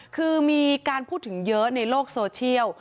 คือมีการพูดถึงเยอะในโลกโซเชียล